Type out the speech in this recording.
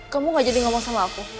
kamu gak jadi ngomong sama aku